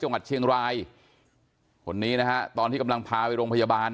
จังหวัดเชียงรายคนนี้นะฮะตอนที่กำลังพาไปโรงพยาบาล